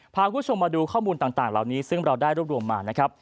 พาคุณผู้ชมมาดูข้อมูลต่างเหล่านี้ซึ่งเราได้รวบรวมมานะครับ